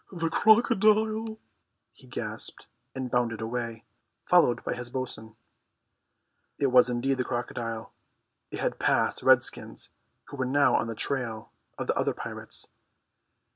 "The crocodile!" he gasped, and bounded away, followed by his bo'sun. It was indeed the crocodile. It had passed the redskins, who were now on the trail of the other pirates.